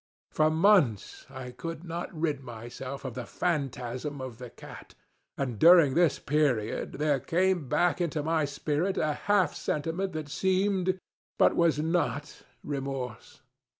For months I could not rid myself of the phantasm of the cat; and, during this period, there came back into my spirit a half sentiment that seemed, but was not, remorse.